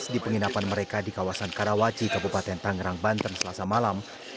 di penginapan mereka di kawasan karawaci kabupaten tangerang banten selasa malam